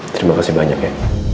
terima kasih banyak ya